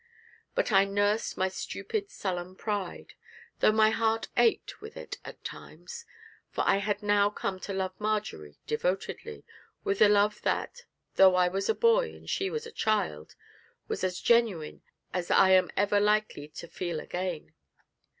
But I nursed my stupid, sullen pride, though my heart ached with it at times. For I had now come to love Marjory devotedly, with a love that, though I was a boy and she was a child, was as genuine as any I am ever likely to feel again.